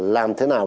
làm thế nào